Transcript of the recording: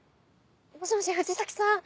もしもし藤崎さん。